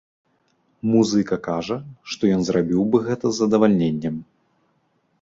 Музыка кажа, што ён зрабіў бы гэта з задавальненнем.